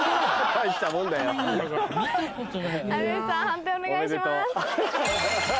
判定お願いします。